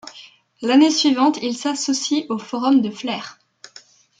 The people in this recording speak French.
L'année suivante, il s'associe au Forum de Flers.